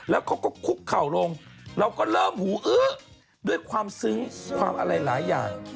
แล้วเขาก็คุกเข่าลงเราก็เริ่มหูอื้อด้วยความซึ้งความอะไรหลายอย่าง